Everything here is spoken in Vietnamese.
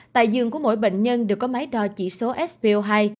tại giường của mỗi bệnh nhân được có máy đo chỉ số spo hai